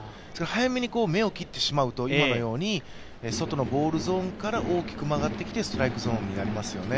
早めに目を切ってしまうと今のように、外のボールゾーンから大きく曲がってきてストライクゾーンになりますよね。